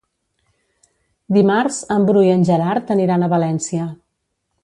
Dimarts en Bru i en Gerard aniran a València.